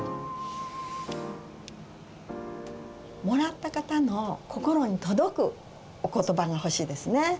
もらった方の心に届くお言葉が欲しいですね。